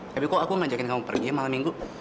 tapi kok aku ngajakin kamu pergi ya malam minggu